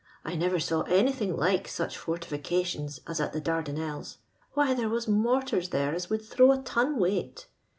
I never saw anything like such fortifications as at the Dar danelles ; why, there was mortars there as would throw a ton weight.